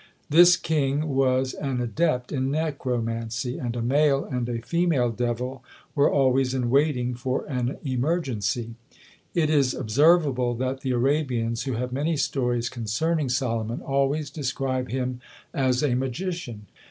This king was an adept in necromancy, and a male and a female devil were always in waiting for an emergency. It is observable, that the Arabians, who have many stories concerning Solomon, always describe him as a magician.